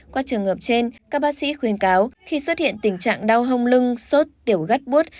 qua trường hợp trên các bác sĩ khuyên cáo khi xuất hiện tình trạng đau hông lưng sốt tiểu gắt bút